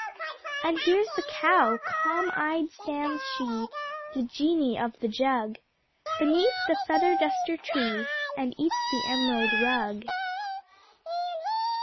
And here's the Cow, calm eyed stands she, The Genie of the Jug, Beneath the Feather Duster Tree, And eats the Emerald Rug.